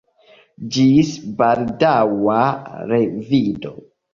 Ĝis baldaŭa revido!